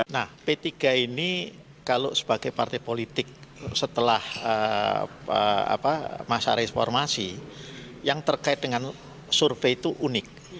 nah p tiga ini kalau sebagai partai politik setelah masa reformasi yang terkait dengan survei itu unik